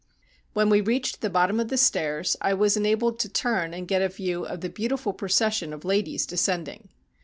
When we reached the bottom of the stairs, I was en abled to turn and get a view of the beautiful procession of ladies descending.